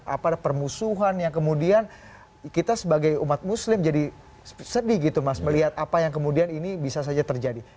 apa permusuhan yang kemudian kita sebagai umat muslim jadi sedih gitu mas melihat apa yang kemudian ini bisa saja terjadi